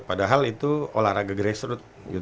bahkan itu olahraga grassroots